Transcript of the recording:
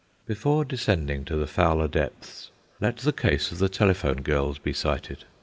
Before descending to the fouler depths, let the case of the telephone girls be cited.